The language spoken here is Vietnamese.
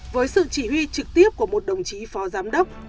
với sự chỉ huy trực tiếp của một đồng chí phó giám đốc